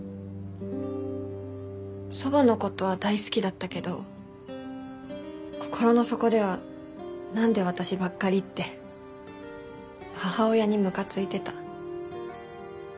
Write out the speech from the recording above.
祖母の事は大好きだったけど心の底ではなんで私ばっかりって母親にむかついてた。